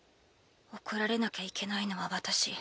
怒られなきゃいけないのは私。